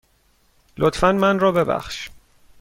لطفاً من را ببخش.